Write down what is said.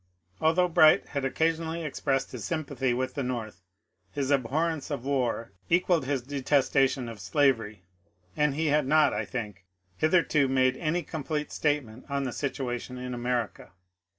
Although Bright had occasionally expressed his sym pathy with the North, his abhorrence of war equalled his de testation of slavery, and he had not, I think, hitherto made any complete statement on the situation in America.